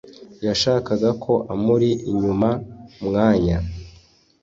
Yashakaga ko amuri inyuma umwanya